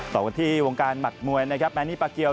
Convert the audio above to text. ต่อกันที่วงการหมัดมวยนะครับแมนนี่ปาเกียว